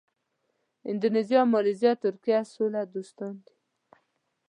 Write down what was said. اندونیزیا، مالیزیا، ترکیه سوله دوست دي.